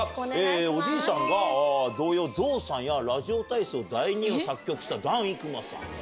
おじいさんが童謡『ぞうさん』や『ラジオ体操第２』を作曲した團伊玖磨さん。